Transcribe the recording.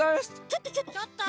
ちょっとちょっと。